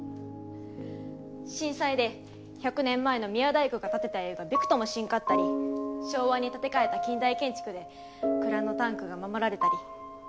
震災で１００年前の宮大工が建てた家がびくともしんかったり昭和に建て替えた近代建築で蔵のタンクが守られたり。